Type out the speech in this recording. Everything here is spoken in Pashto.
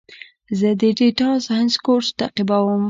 زه د ډیټا ساینس کورس تعقیبوم.